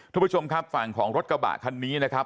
ทุกผู้ชมครับฝั่งของรถกระบะคันนี้นะครับ